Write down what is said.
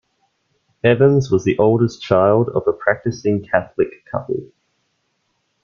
Evans was the oldest child of a practicing Catholic couple.